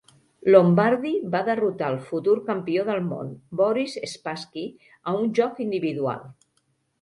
Lombardy va derrotar el futur campió del món, Boris Spassky, a un joc individual.